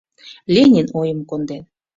Ленин ойым конден.